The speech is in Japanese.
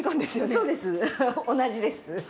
そうです、同じです。